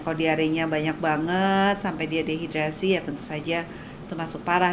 kalau diarenya banyak banget sampai dia dehidrasi ya tentu saja termasuk parah